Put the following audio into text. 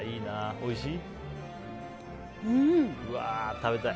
おいしい。